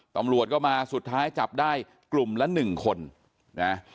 ตำรวจก็มาสุดท้ายจับได้กลุ่มละหนึ่งคนนะ